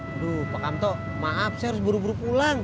aduh pak kanto maaf saya harus buru buru pulang